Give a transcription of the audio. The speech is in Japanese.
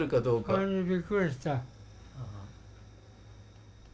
本当にびっくりした。